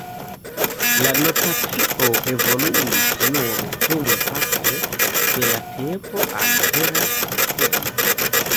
La notacio evoluis nur dumpase de la tempo al vera "sistemo".